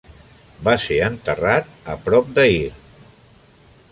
Va ser enterrat a prop d'Ayr.